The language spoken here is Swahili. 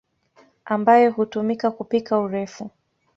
ambayo hutumika kupika urefu.